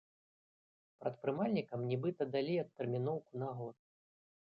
Прадпрымальнікам нібыта далі адтэрміноўку на год.